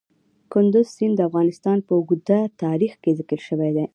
کندز سیند د افغانستان په اوږده تاریخ کې ذکر شوی دی.